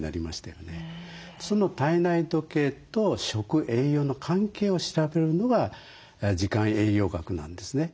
その体内時計と食・栄養の関係を調べるのが時間栄養学なんですね。